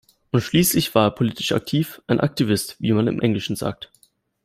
Und schließlich war er politisch aktiv, ein Aktivist, wie man im Englischen sagt.